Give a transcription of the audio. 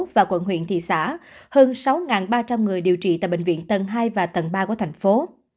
và quận huyện thị xã hơn sáu ba trăm linh người điều trị tại bệnh viện tầng hai và tầng ba của thành phố